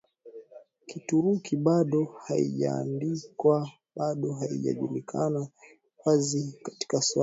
Kituruki bado haijaandikwa Bado haijulikani wazi katika swali